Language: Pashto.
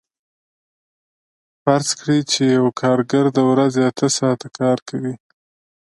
فرض کړئ چې یو کارګر د ورځې اته ساعته کار کوي